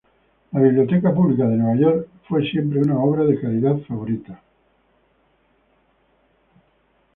La Biblioteca Pública de Nueva York fue siempre una obra de caridad favorita.